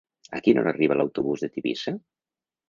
A quina hora arriba l'autobús de Tivissa?